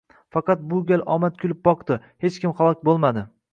Faqat bu gal omad kulib boqdi — hech kim halok bo‘lmadi.